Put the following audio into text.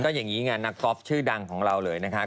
อย่างนี้ไงนักกอล์ฟชื่อดังของเราเลยนะคะ